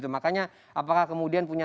makanya apakah kemudian punya